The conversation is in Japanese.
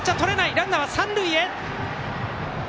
ランナー、三塁へ。